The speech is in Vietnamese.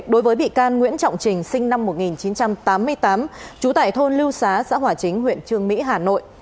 đối với bị can nguyễn trọng trình sinh năm một nghìn chín trăm tám mươi tám trú tại thôn lưu xá xã hòa chính huyện trương mỹ hà nội